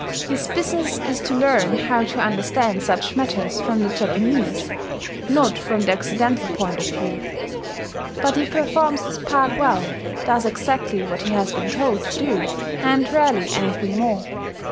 His business is to learn how to understand such matters from the Japanese, not from the Occidental, point of view. But he performs his part well, does exactly what he has been told to do, and rarely anything more.